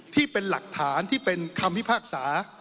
ที่เป็นหลักฐานที่เป็นคำพิพากษา